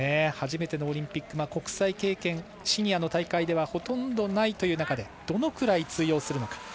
初めてのオリンピック国際経験、シニアの大会ではほとんどないという中でどのくらい通用するのか。